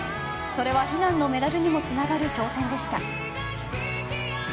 それは悲願のメダルにもつながる挑戦でした。